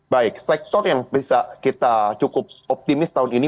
baik sektor yang bisa kita cukup optimis tahun ini